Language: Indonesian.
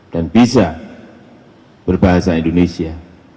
dan bisa berbahasa indonesia